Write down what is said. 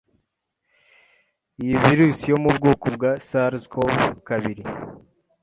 iyi virusi yo mu bwoko bwa Sars-CoV kabiri